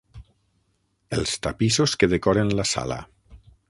Els tapissos que decoren la sala.